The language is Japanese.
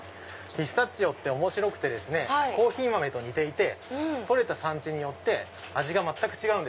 ピスタチオって面白くてコーヒー豆と似ていて採れた産地によって味が違う。